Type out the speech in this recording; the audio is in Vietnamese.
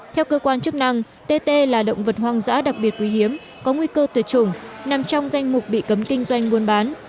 theo cơ quan chức năng tt là động vật hoang dã đặc biệt quý hiếm có nguy cơ tuyệt chủng nằm trong danh mục bị cấm kinh doanh buôn bán